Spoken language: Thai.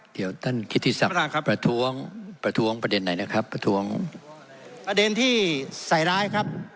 เดี๋ยวท่านกิติศักดิ์ประท้วงประท้วงประเด็นไหนนะครับประท้วงประเด็นที่ใส่ร้ายครับ